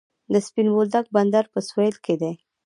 د سپین بولدک بندر په سویل کې دی